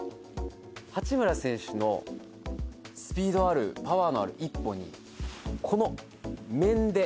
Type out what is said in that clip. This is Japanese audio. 八村選手のスピードあるパワーのある一歩にこの面で。